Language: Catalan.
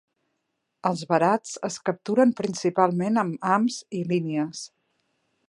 Els verats es capturen principalment amb hams i línies.